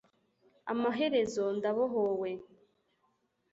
amaherezo ndabohowe